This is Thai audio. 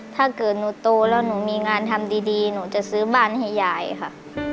ถ้าเกิดหนูโตแล้วหนูมีงานทำดีหนูจะซื้อบ้านให้ยายค่ะ